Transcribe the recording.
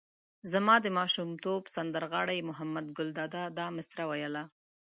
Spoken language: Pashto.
زما د ماشومتوب سندر غاړي محمد ګل دادا دا مسره ویله.